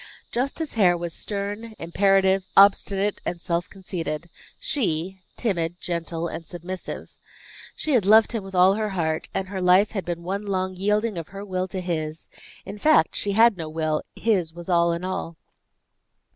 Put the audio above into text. Justice Hare was stern, imperative, obstinate, and self conceited; she, timid, gentle and submissive. She had loved him with all her heart, and her life had been one long yielding of her will to his; in fact, she had no will; his was all in all.